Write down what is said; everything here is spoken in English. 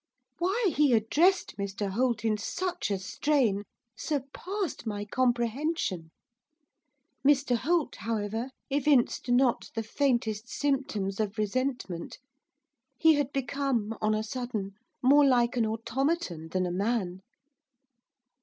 Why he addressed Mr Holt in such a strain surpassed my comprehension. Mr Holt, however, evinced not the faintest symptoms of resentment, he had become, on a sudden, more like an automaton than a man.